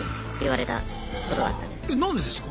えっ何でですか？